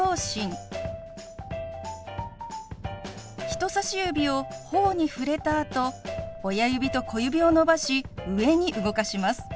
人さし指をほおに触れたあと親指と小指を伸ばし上に動かします。